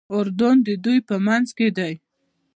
اردن د دوی په منځ کې دی.